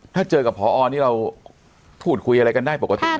ถ้าเจอกับเพาะอ้อนี่เราถูกคุยอะไรกันได้ปกติไหม